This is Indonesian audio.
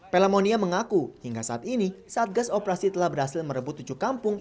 pelamonia mengaku hingga saat ini satgas operasi telah berhasil merebut tujuh kampung